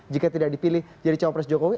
jika tidak dipilih jadi cowok pres jokowi